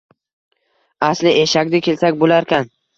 — Аsli eshakda kelsak boʼlarkan.